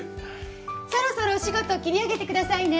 そろそろお仕事切り上げてくださいね。